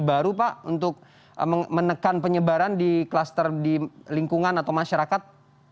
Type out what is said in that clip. baru pak untuk menekan penyebaran di kluster di lingkungan atau masyarakat